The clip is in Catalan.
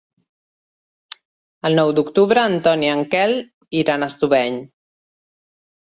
El nou d'octubre en Ton i en Quel iran a Estubeny.